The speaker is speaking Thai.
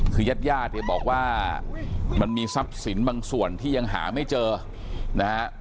คือยาดบอกว่ามันมีทรัพย์สินบางส่วนที่ยังหาไม่เจอนะครับ